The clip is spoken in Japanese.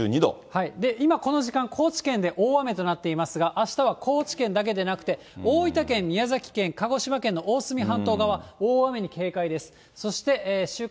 今、この時間、高知県で大雨となっていますが、あしたは高知県だけでなくて、大分県、宮崎県、鹿児島県の大隅半島側、大雨に警戒です。